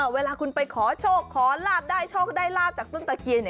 เวลาคุณไปขอโชคขอลาบได้โชคได้ลาบจากต้นตะเคียน